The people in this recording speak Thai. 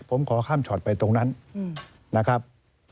ผมขอข้ามช็อตไปตรงนั้นนะครับ